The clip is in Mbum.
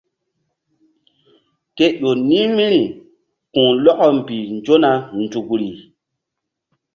Ke ƴo ni̧h vbi̧ri ku̧lɔkɔ mbih nzona nzukri.